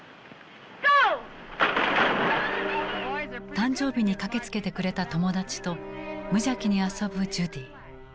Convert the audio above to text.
誕生日に駆けつけてくれた友達と無邪気に遊ぶジュディ。